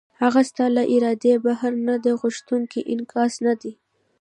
هغه ستا له ارادې بهر دی او د غوښتنو انعکاس نه دی.